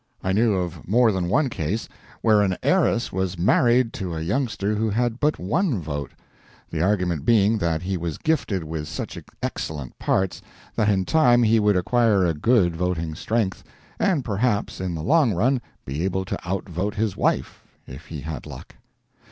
I knew of more than one case where an heiress was married to a youngster who had but one vote; the argument being that he was gifted with such excellent parts that in time he would acquire a good voting strength, and perhaps in the long run be able to outvote his wife, if he had luck.